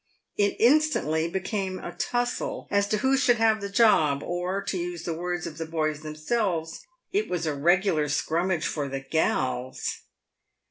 It instantly became a tussel as to who should have the job, or, to use the words of the boys themselves, " it was a regular scrummage for the gals."